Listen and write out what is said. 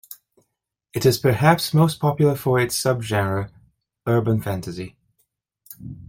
It is perhaps most popular for its subgenre, urban fantasy.